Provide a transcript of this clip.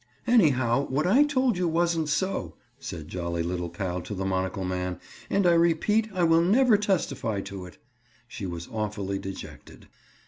"Anyhow, what I told you wasn't so," said jolly little pal to the monocle man. "And I repeat I will never testify to it." She was awfully dejected.